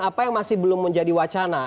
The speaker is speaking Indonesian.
apa yang masih belum menjadi wacana